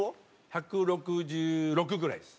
１６６ぐらいです。